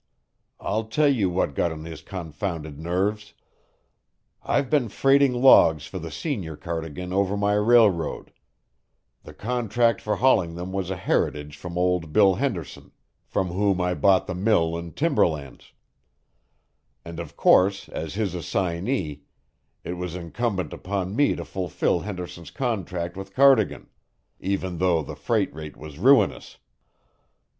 I'll tell you what got on his confounded nerves. I've been freighting logs for the senior Cardigan over my railroad; the contract for hauling them was a heritage from old Bill Henderson, from whom I bought the mill and timber lands; and of course as his assignee it was incumbent upon me to fulfill Henderson's contract with Cardigan, even though the freight rate was ruinous.